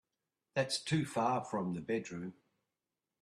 That's too far from the bedroom.